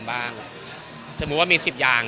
ก็มีงานตรงนี้ด้วย